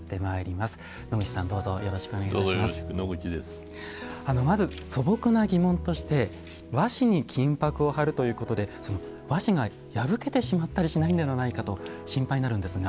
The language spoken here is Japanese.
まず素朴な疑問として和紙に金箔を貼るということで和紙が破けてしまったりしないんではないかと心配になるんですが。